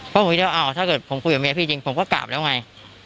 เพราะผมคิดว่าอ้าวถ้าเกิดผมคุยกับเมียพี่จริงผมก็กลับแล้วไง